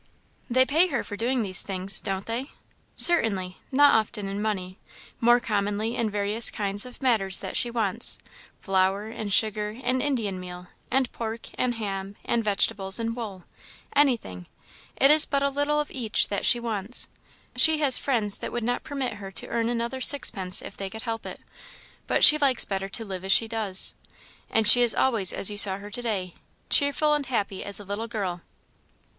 "They pay her for doing these things, don't they?" "Certainly; not often in money; more commonly in various kinds of matters that she wants flour, and sugar, and Indian meal, and pork, and ham, and vegetables, and wool anything; it is but a little of each that she wants. She has friends that would not permit her to earn another sixpence if they could help it, but she likes better to live as she does. And she is always as you saw her to day cheerful and happy as a little girl."